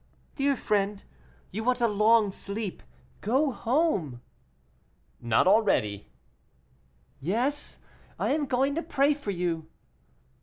"Dear friend, you want a long sleep; go home." "Not already." "Yes, I am going to pray for you."